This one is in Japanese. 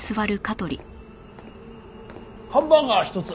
ハンバーガー１つ。